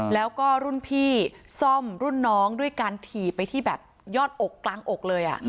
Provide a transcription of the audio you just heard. แล้วก็รุ่นพี่ซ่อมรุ่นน้องด้วยการถีบไปที่แบบยอดอกกลางอกเลย